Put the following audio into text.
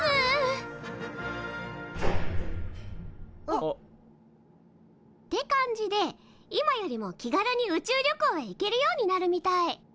あ。って感じで今よりも気軽に宇宙旅行へ行けるようになるみたい。